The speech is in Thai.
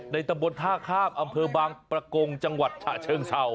ตำบลท่าข้ามอำเภอบางประกงจังหวัดฉะเชิงเศร้า